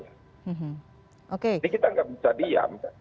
jadi kita tidak bisa diam